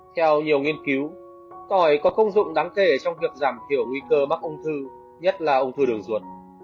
theo nhiều nghiên cứu tỏi có công dụng đáng kể trong việc giảm thiểu nguy cơ mắc ung thư nhất là ung thư đường ruột